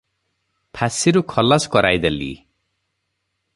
ଫାଶିରୁ ଖଲାସ କରାଇଦେଲି ।